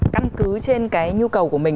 căn cứ trên cái nhu cầu của mình